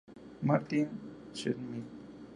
Martin Schmidt